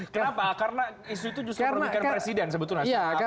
kenapa karena isu itu justru merugikan presiden sebetulnya